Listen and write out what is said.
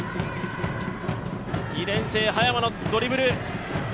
２年生・早間のドリブル。